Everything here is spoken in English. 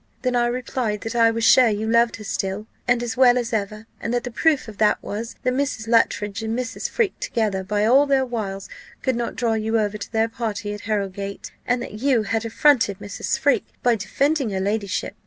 Then I replied that I was sure you loved her still, and as well as ever: and that the proof of that was, that Mrs. Luttridge and Mrs. Freke together, by all their wiles, could not draw you over to their party at Harrowgate, and that you had affronted Mrs. Freke by defending her ladyship.